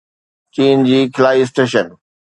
چين جي خلائي اسٽيشن